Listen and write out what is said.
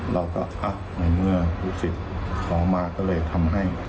เราก็ในเมื่อลูกศิษย์ขอมาก็เลยทำให้